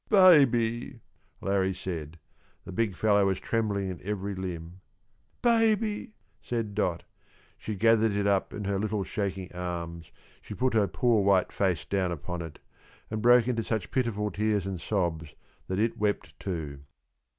"Baby!" Larrie said. The big fellow was trembling in every limb. "Baby!" said Dot. She gathered it up in her little shaking arms, she put her poor white face down upon it, and broke into such pitiful tears and sobs that it wept too.